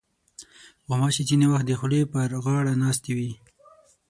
غوماشې ځینې وخت د خولې پر غاړه ناستې وي.